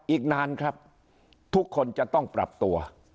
อีกนานครับทุกคนจะต้องปรับตัว